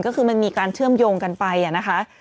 ก็คือมันมีการเชื่อมโยงกันไปนะคะ